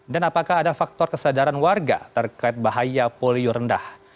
dan apakah ada faktor kesadaran warga terkait bahaya polio rendah